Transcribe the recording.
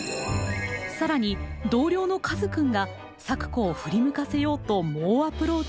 更に同僚のカズくんが咲子を振り向かせようと猛アプローチ！